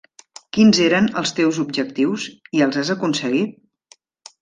Quins eren els teus objectius? I els has aconseguit?